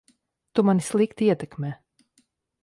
Tu mani slikti ietekmē.